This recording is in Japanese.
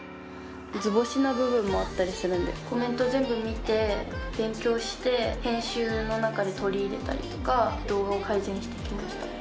図星な部分もあったりするんで、コメント全部見て、勉強して、編集の中に取り入れて、動画を改善してきました。